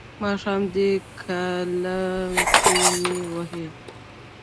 ماښام دی کاله کې مې وهي.